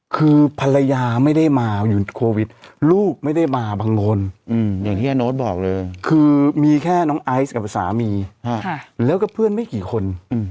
คือภรรยาไม่ได้มาอยู่โควิดลูกไม่ได้มาบางคนอย่างที่อาโน๊ตบอกเลยคือมีแค่น้องไอซ์กับสามีแล้วก็เพื่อนไม่กี่คน